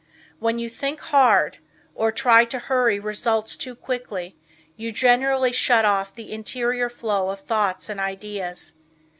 When you "think hard" or try to hurry results too quickly, you generally shut off the interior flow of thoughts and ideas.